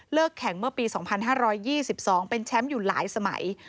แข่งเมื่อปี๒๕๒๒เป็นแชมป์อยู่หลายสมัย